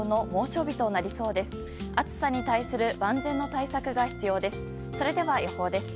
暑さに対する万全の対策が必要です。